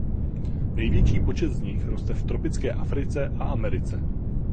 Největší počet z nich roste v tropické Africe a Americe.